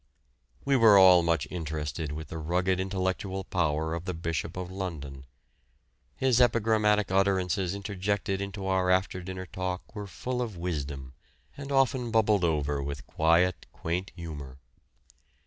We were all much interested with the rugged intellectual power of the Bishop of London. His epigrammatic utterances interjected into our after dinner talk were full of wisdom, and often bubbled over with quiet, quaint humour.